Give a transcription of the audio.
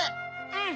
うん。